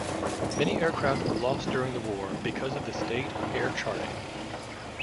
Many aircraft were lost during the war because of the state of air charting.